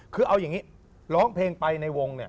คือเอาอย่างนี้